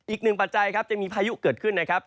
ปัจจัยครับจะมีพายุเกิดขึ้นนะครับ